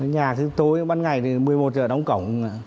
nhà thứ tối ban ngày thì một mươi một giờ đóng cổng